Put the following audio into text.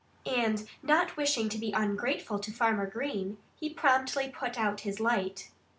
And not wishing to be ungrateful to Farmer Green, he promptly put out his light.